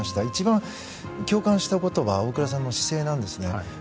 一番共感したことは大倉さんの姿勢なんです。